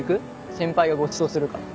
先輩がごちそうするから。